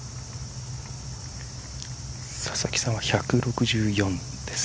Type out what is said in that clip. ささきさんは１６４です。